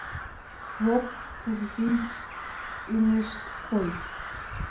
Поп, буржуй ынышт кой!